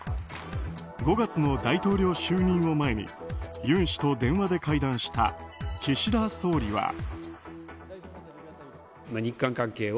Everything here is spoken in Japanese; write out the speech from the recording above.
５月の大統領就任を前に尹氏と電話で会談した岸田総理は。